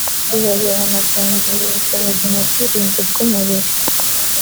Guhoberana byongera ubushobozi mu bwirinzi bw’umubiri